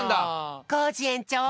コージえんちょう！